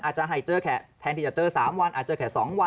อาจจะเชื่อแขกแทนที่จะเจอสามวันอาจเจอแขกสองวัน